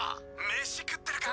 飯食ってるか？